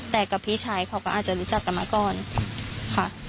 แต่กับพี่ชายเขาก็อาจจะรู้จักกันมาก่อนค่ะ